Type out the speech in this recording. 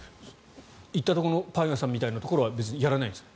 行ったところのパン屋さんみたいなところは別にやらないんですね。